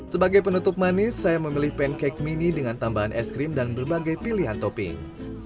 sebagai penutup manis saya memilih pancake mini dengan tambahan es krim dan berbagai pilihan topping